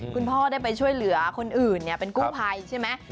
คุณพ่อได้ไปช่วยเหลือคนอื่นเป็นกู้ภัยใช่ไหม